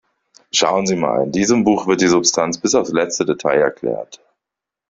Schauen Sie mal, in diesem Buch wird die Substanz bis aufs letzte Detail erklärt.